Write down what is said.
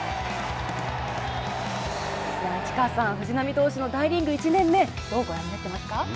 内川さん、藤浪投手の大リーグ１年目、どうご覧になっていますか。